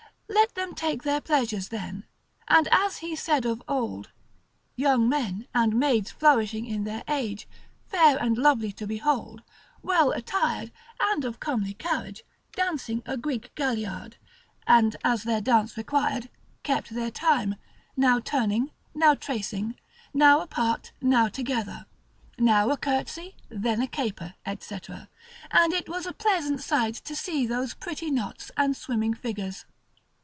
Let them take their pleasures then, and as he said of old, young men and maids flourishing in their age, fair and lovely to behold, well attired, and of comely carriage, dancing a Greek galliard, and as their dance required, kept their time, now turning, now tracing, now apart now altogether, now a courtesy then a caper, &c., and it was a pleasant sight to see those pretty knots, and swimming figures.